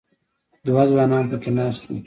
دوه ځوانان په کې ناست وو.